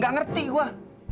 gak ngerti gua